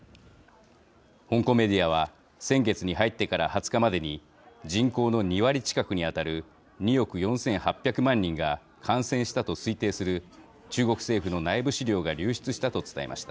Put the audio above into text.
香港メディアは先月に入ってから２０日までに人口の２割近くに当たる２億４８００万人が感染したと推定する中国政府の内部資料が流出したと伝えました。